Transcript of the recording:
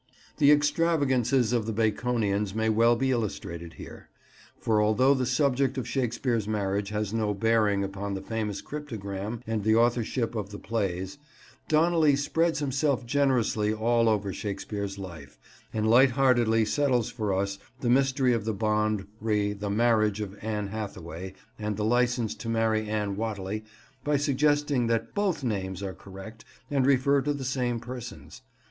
The extravagances of the Baconians may well be illustrated here, for although the subject of Shakespeare's marriage has no bearing upon the famous cryptogram and the authorship of the plays, Donnelly spreads himself generously all over Shakespeare's life, and lightheartedly settles for us the mystery of the bond re the marriage of Anne Hathaway and the license to marry Anne Whateley by suggesting that both names are correct and refer to the same persons.